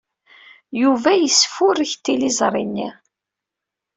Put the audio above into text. Yuba yesfurek tiliẓri-nni.